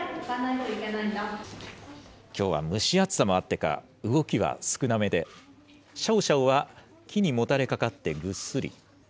きょうは、蒸し暑さもあってか、動きは少なめで、シャオシャオは木にもたれかかってぐっすり。